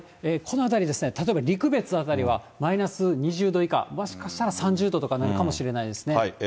このあたりですね、例えば陸別辺りは、マイナス２０度以下、もしかしたら３０度とかになるかもしれないですね。